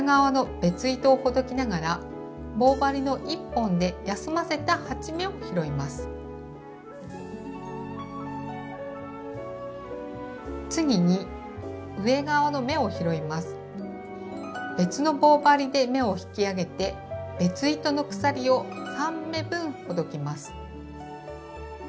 別の棒針で目を引き上げて別糸の鎖を３目分ほどきます。